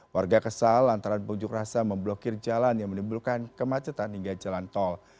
warga kesal antara pengunjuk rasa memblokir jalan yang menimbulkan kemacetan hingga jalan tol